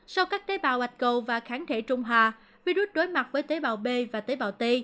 sau các tế bào bạch cầu và kháng thể trung hà virus đối mặt với tế bào b và tế bào t